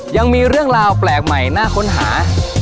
ยังมีเรื่องราวแปลกใหม่น่าค้นหา